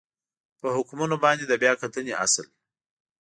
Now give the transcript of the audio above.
په حکمونو باندې د بیا کتنې اصل